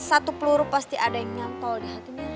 satu peluru pasti ada yang nyantol di hatinya